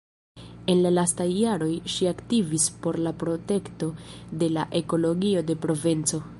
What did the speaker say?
En la lastaj jaroj, ŝi aktivis por la protekto de la ekologio de Provenco.